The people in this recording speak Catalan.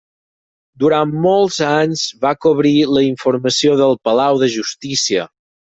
Durant molts anys va cobrir la informació del Palau de Justícia.